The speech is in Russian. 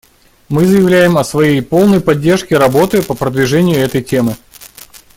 Мы заявляем о своей полной поддержке работы по продвижению этой темы.